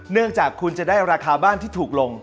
เนื่องจากคุณจะได้ราคาบ้านที่ถูกลง